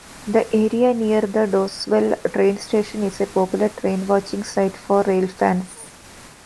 The area near the Doswell train station is a popular train-watching site for railfans.